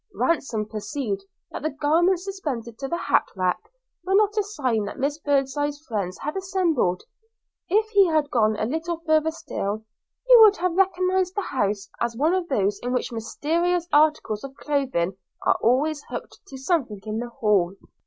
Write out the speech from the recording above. Ransom perceived that the garments suspended to the hat rack were not a sign that Miss Birdseye's friends had assembled; if he had gone a little further still he would have recognised the house as one of those in which mysterious articles of clothing are always hooked to something in the hall.